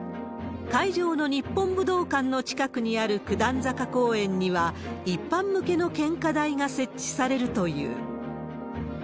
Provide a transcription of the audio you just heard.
会場の日本武道館の近くにある九段坂公園には、一般向けの献花台が設置されるという。